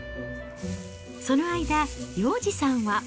その間、洋治さんは。